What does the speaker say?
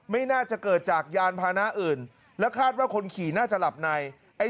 ไม่น่าจะเกิดจากยานพานะอื่นและคาดว่าคนขี่น่าจะหลับใน